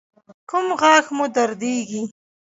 کوم غاښ مو دردیږي؟